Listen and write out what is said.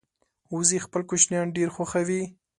وزې خپل کوچنیان ډېر خوښوي